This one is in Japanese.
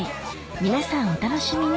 皆さんお楽しみに